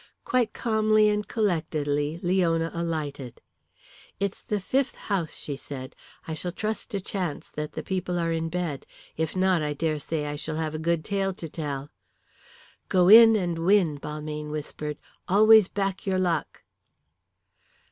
Quite calmly and collectedly Leona alighted. "It's the fifth house," she said. "I shall trust to chance that the people are in bed. If not, I dare say I shall have a good tale to tell." "Go in and win," Balmayne whispered. "Always back your luck."